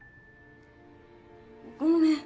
ごめん。